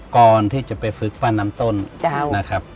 ก่อนที่จะไปฝึกปั้นน้ำต้นนะครับ